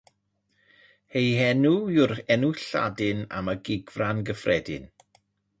Eu henw yw'r enw Lladin am y gigfran gyffredin.